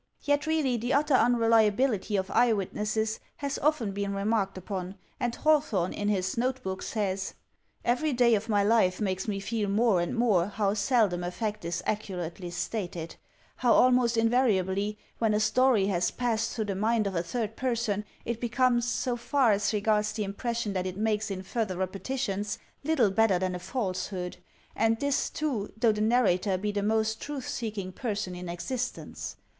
Yet really the utter unreliability of eye witnesses has often EVIDENCE 265 been remarked upon; and Hawthorne, in his "Note Book," says: "Every day of my life makes me feel more and more how seldom a fact is accurately stated; how, almost invariably, when a story has passed through the mind of a third person it becomes, so far as regards the impression that it makes in further repetitions, little better than a falsehood, and this, too, though the narrator be the most truth seeking person in existence.